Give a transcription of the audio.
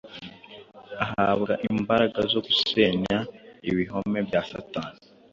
Ahabwa imbaraga zo gusenya ibihome bya Satani.